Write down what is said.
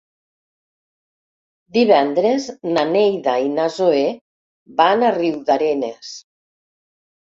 Divendres na Neida i na Zoè van a Riudarenes.